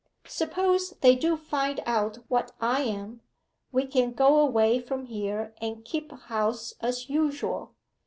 Suppose they do find out what I am we can go away from here and keep house as usual.